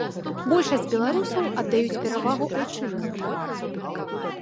Большасць беларусаў аддаюць перавагу айчынным таварам.